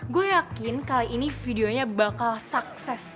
gue yakin kali ini videonya bakal sukses